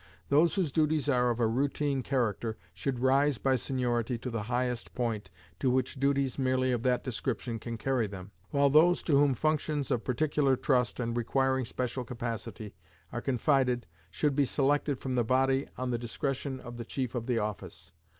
Those whose duties are of a routine character should rise by seniority to the highest point to which duties merely of that description can carry them, while those to whom functions of particular trust, and requiring special capacity, are confided, should be selected from the body on the discretion of the chief of the office.